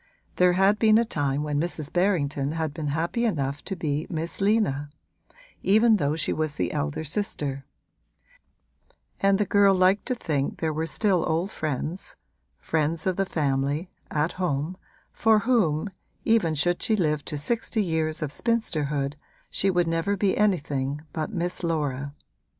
There had been a time when Mrs. Berrington had been happy enough to be Miss Lina, even though she was the elder sister; and the girl liked to think there were still old friends friends of the family, at home, for whom, even should she live to sixty years of spinsterhood, she would never be anything but Miss Laura.